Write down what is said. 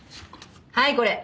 はいこれ。